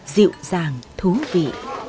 dịu dàng thú vị